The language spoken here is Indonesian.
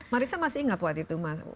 marissa masih ingat waktu itu mas